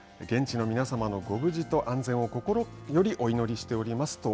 現地の皆さまのご無事と安全を心よりお祈りしております。